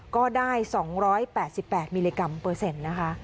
ก็ได้๒๘๘มิลลิกรัมเปอร์เซ็นต์นะคะ